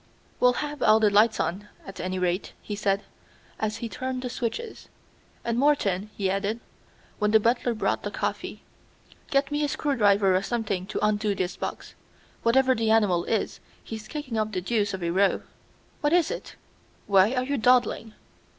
"We'll have all the lights on at any rate," he said, as he turned the switches. "And, Morton," he added, when the butler brought the coffee, "get me a screwdriver or something to undo this box. Whatever the animal is, he's kicking up the deuce of a row. What is it? Why are you dawdling?"